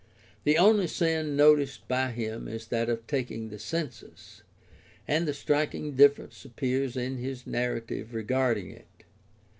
The only sin noticed by him is that of taking the census; and a striking difference appears in his narrative regarding it.